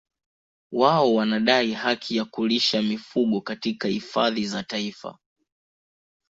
Wao wanadai haki ya kulisha mifugo katika hifadhi za Taifa